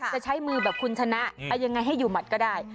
จะใช้มือแบบคุณชนะเอายังไงให้อยู่หมัดก็ได้